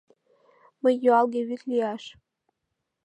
Мый юалге вӱд лияш